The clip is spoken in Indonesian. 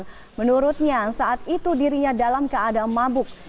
dan menurutnya saat itu dirinya dalam keadaan mabuk